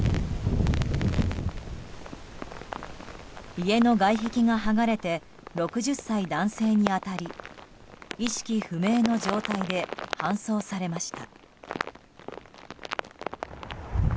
家の外壁が剥がれて６０歳男性に当たり意識不明の状態で搬送されました。